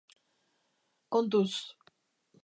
Kontuz